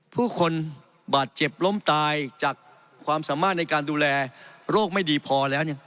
ผู้คนบาดเจ็บล้มตายจากความสามารถในการดูแลโรคไม่ดีพอแล้ว